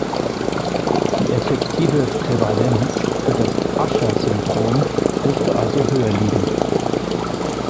Die effektive Prävalenz für das Usher-Syndrom dürfte also höher liegen.